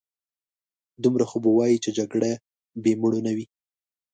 دومره خو به وايې چې جګړه بې مړو نه وي.